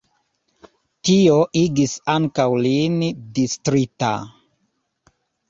Tio igis ankaŭ lin distrita.